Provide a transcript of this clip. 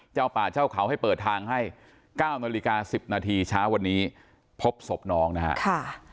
เจ้าป่าเจ้าเขาให้เปิดทางให้๙น๑๐นเช้าวันนี้พบศพน้องนะฮะ